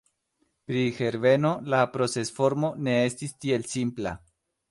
Pri Herbeno, la procesformo ne estis tiel simpla.